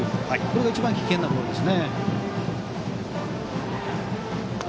これが一番危険なボールです。